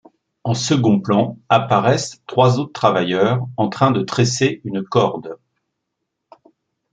En second plan, apparaissent trois autres travailleurs en train de tresser une corde.